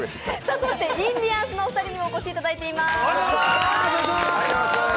そしてインディアンスのお二人にもお越しいただいています。